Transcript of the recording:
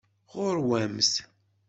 Ɣur-wamt!